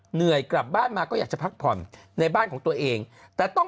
เหนื่อยกลับบ้านมาก็อยากจะพักผ่อนในบ้านของตัวเองแต่ต้อง